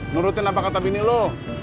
menurutin apa kata bini lo